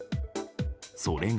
それが。